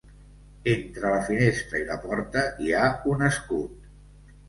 Entre la finestra i la porta hi ha un escut.